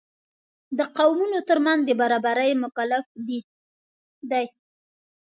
د قومونو تر منځ د برابرۍ مکلف دی.